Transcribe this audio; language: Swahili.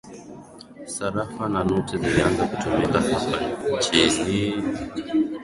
sarafu na noti zilianza kutumika hapa nchinii